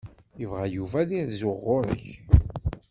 Yebɣa Yuba ad d-irzu ɣur-k.